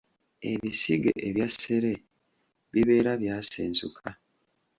Ebisige ebya ssere bibeera byasensuka.